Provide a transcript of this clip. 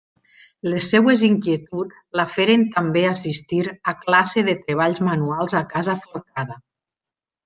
Les seues inquietuds la feren també assistir a classe de treballs manuals a casa Forcada.